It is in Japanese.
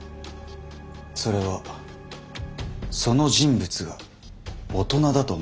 それはその人物が大人だと思っていたからです。